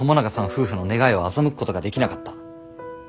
夫婦の願いを欺くことができなかった。